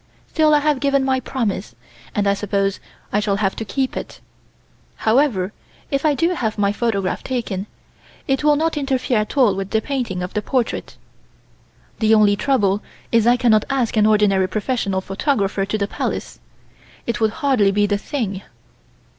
Still I have given my promise, and I suppose I shall have to keep it. However, if I do have my photograph taken, it will not interfere at all with the painting of the portrait. The only trouble is I cannot ask an ordinary professional photographer to the Palace. It would hardly be the thing."